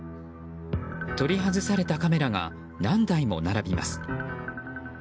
取り外されたカメラが何台も並びます。